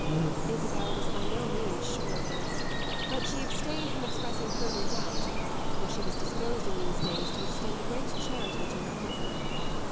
Isabel was by no means sure of this, but she abstained from expressing further doubt, for she was disposed in these days to extend a great charity to her cousin.